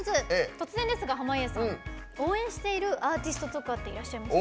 突然ですが濱家さん応援しているアーティストとかいますか？